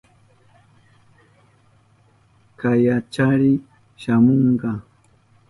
Kayachari shamunka.